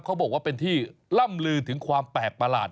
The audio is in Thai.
เขาบอกว่าเป็นที่ล่ำลือถึงความแปลกประหลาด